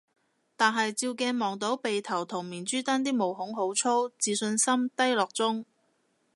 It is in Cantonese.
但係照鏡望到鼻頭同面珠墩啲毛孔好粗，自信心低落中